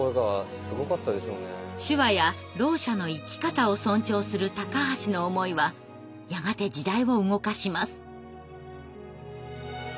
手話やろう者の生き方を尊重する高橋の思いはやがて時代を動かします。